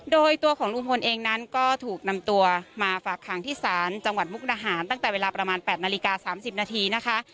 โดยตัวของลุงพลเองนั้นก็ถูกนำตัวมาฝากขังที่ศาลจังหวัดมุกดาหารตั้งแต่เวลาประมาณ๘นาฬิกา๓๐นาทีนะคะ